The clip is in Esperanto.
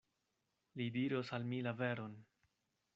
Li diros al mi la veron.